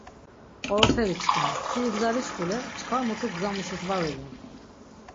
Qoroperi çkimi, si igzaliş ǩule çkar mutu gza muşis var ulun.